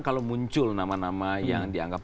kalau muncul nama nama yang dianggap